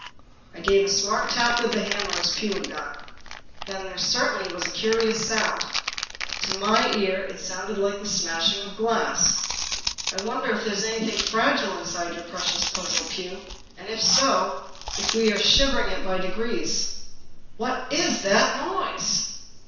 I gave a smart tap with the hammer, as Pugh had done. Then there certainly was a curious sound. To my ear, it sounded like the smash ing of glass. " I wonder if there is anything fragile in side your precious puzzle, Pugh, and, if so, if we are shivering it by degrees ?" 246 The Puzzle II " What is that noise